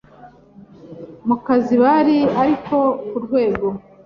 mu kazi bari ariko ku rwego